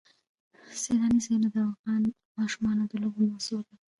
سیلانی ځایونه د افغان ماشومانو د لوبو موضوع ده.